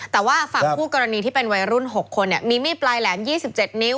แต่ว่าฝั่งผู้กรณีที่เป็นวัยรุ่นหกคนเนี่ยมีมีดปลายแหลมยี่สิบเจ็ดนิ้ว